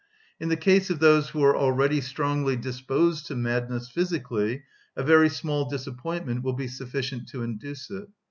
In the case of those who are already strongly disposed to madness physically a very small disappointment will be sufficient to induce it.